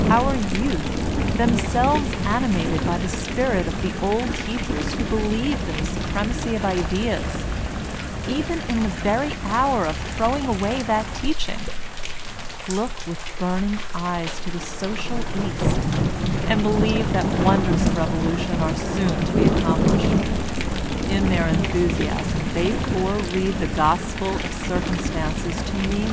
. Our youth, themselves animated by the spirit of the old teachers who believed in the supremacy of ideas, even m the very hour of throwing away that teaching, look with burning eyes to the social East, and believe that wonders of revolution are soon to be accomplished. In their enthusiasm they foreread the gospel of Circum stances to mean.